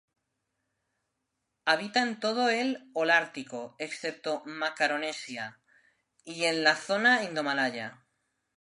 Habita en todo el holártico, excepto Macaronesia, y en la zona indomalaya.